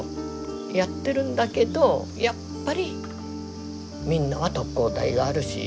やってるんだけどやっぱりみんなは特攻隊があるし。